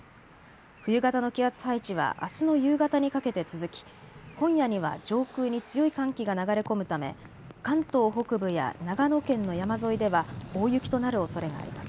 冬型の気圧配置はあすの夕方にかけて続き今夜には上空に強い寒気が流れ込むため関東北部や長野県の山沿いでは大雪となるおそれがあります。